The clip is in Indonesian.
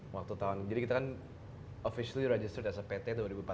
waktu tahun jadi kita kan officially registered as a pt dua ribu empat belas